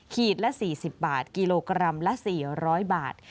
ขีดละ๔๐บาทกิโลกรัมละ๔๐๐บาท